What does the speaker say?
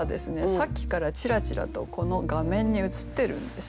さっきからチラチラとこの画面に映ってるんですね。